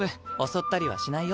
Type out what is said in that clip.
襲ったりはしないよ。